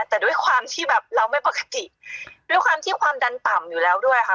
แต่ด้วยความที่แบบเราไม่ปกติด้วยความที่ความดันต่ำอยู่แล้วด้วยค่ะ